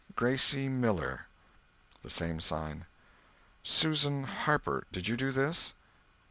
"Gracie Miller?" The same sign. "Susan Harper, did you do this?"